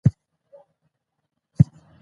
د لمانځه لپاره اودس کول د بدن پاکوالی دی.